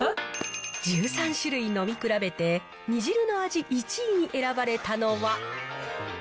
１３種類飲み比べて、煮汁の味１位に選ばれたのは。